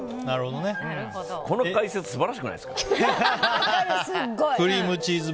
この解説、素晴らしくないですか。